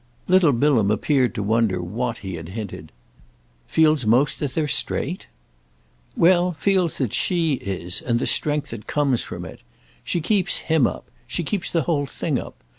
Little Bilham appeared to wonder what he had hinted. "Feels most that they're straight?" "Well, feels that she is, and the strength that comes from it. She keeps him up—she keeps the whole thing up.